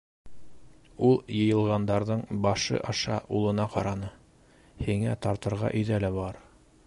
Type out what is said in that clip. - Ул йыйылғандарҙың башы аша улына ҡараны. - һиңә тартырға өйҙә лә бар.